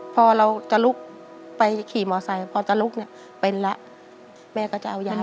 พอเราจะลุกไปขี่มอไซค์พอจะลุกเนี่ยเป็นแล้วแม่ก็จะเอายา